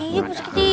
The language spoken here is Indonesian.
ya pak srikiti